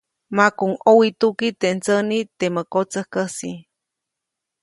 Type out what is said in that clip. Makuʼuŋ ʼowituki teʼ ndsäniʼ temä kotsäjkäsi.